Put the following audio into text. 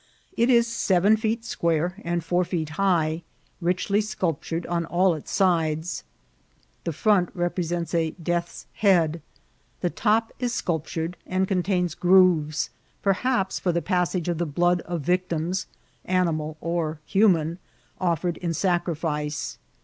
It is seven feet square and four feet high, richly sculptured on all its sides. The front represents a death's head* The top is sculptured, and contains grooves, perhaps for the passage of the blood of victims, animal or human, offer ed in sacrifice.